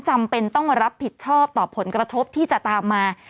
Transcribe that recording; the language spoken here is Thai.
จำเป็นต้องมารับผิดชอบต่อผลกระทบที่จะตามมา